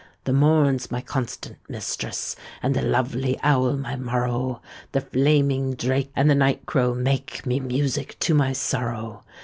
The morn's my constant mistress, And the lovely owl my morrow; The flaming drake, And the night crow, make Me music, to my sorrow.